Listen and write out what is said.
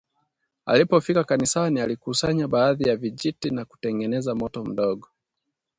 Alipofika kanisani , alikusanya baadhi ya vijiti na kutengeneza moto mdogo